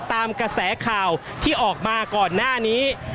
ตามกระแสข่าวที่ออกมาก่อนหน้านี้